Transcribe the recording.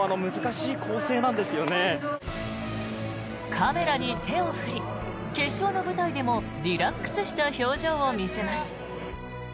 カメラに手を振り決勝の舞台でもリラックスした表情を見せます。